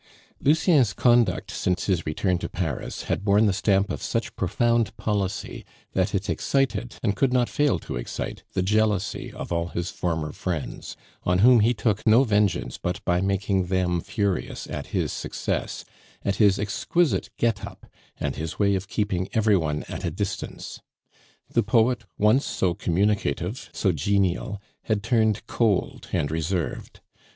Lucien's conduct since his return to Paris had borne the stamp of such profound policy that it excited and could not fail to excite the jealousy of all his former friends, on whom he took no vengeance but by making them furious at his success, at his exquisite "get up," and his way of keeping every one at a distance. The poet, once so communicative, so genial, had turned cold and reserved.